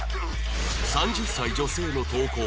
３０歳女性の投稿